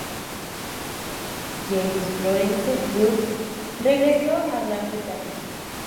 Jams Florence Burke regresó a Gran Bretaña.